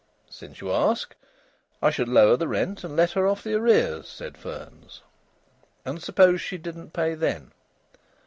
"Since you ask, I should lower the rent and let her off the arrears," said Fearns. "And supposing she didn't pay then?